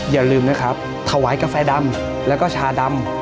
อย่าลืมนะครับถวายกาแฟดำแล้วก็ชาดำ